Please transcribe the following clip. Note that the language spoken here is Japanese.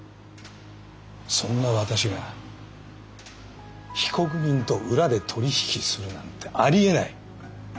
そんな私が被告人と裏で取り引きするなんてありえない！